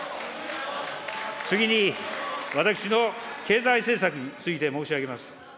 次に、私の経済政策について申し上げます。